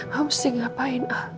maksudnya ngapain ah